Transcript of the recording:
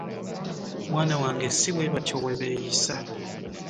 Mwana wange si bwe batyo we beyisa.